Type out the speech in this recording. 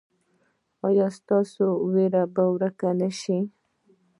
ایا ستاسو ویره به ورکه نه شي؟